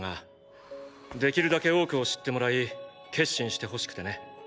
できるだけ多くを知ってもらい決心してほしくてね。